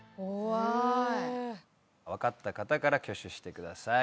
分かった方から挙手してください